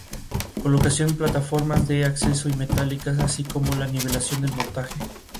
Colocación plataformas de acceso y metálicas así como la nivelación del montaje.